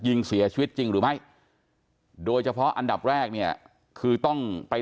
ยิงเสียชีวิตจริงหรือไม่โดยเฉพาะอันดับแรกเนี่ยคือต้องไป